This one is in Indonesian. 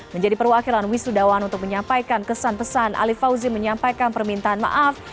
menjadi perwakilan wisudawan untuk menyampaikan kesan pesan ali fauzi menyampaikan permintaan maaf